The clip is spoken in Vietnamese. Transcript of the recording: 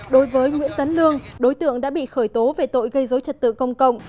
đối với nguyễn tấn lương đối tượng đã bị khởi tố về tội gây dối trật tự công cộng